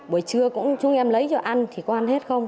buổi trưa cũng chúng em lấy cho ăn thì con ăn hết không